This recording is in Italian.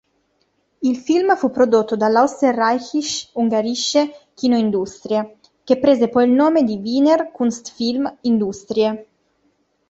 Il film fu prodotto dall'Österreichisch-ungarische Kino-Industrie che prese poi il nome di Wiener Kunstfilm-Industrie.